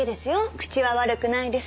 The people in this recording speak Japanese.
口は悪くないです。